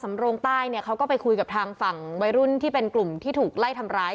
โรงใต้เนี่ยเขาก็ไปคุยกับทางฝั่งวัยรุ่นที่เป็นกลุ่มที่ถูกไล่ทำร้าย